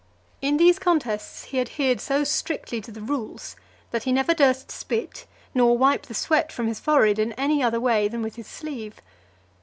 XXIV. In these contests, he adhered so strictly to the rules, (354) that he never durst spit, nor wipe the sweat from his forehead in any other way than with his sleeve.